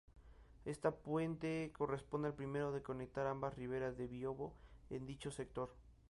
Este puente corresponde al primero en conectar ambas riveras del Biobío en dicho sector.